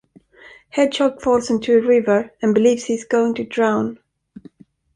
Hedgehog falls into a river and believes he is going to drown.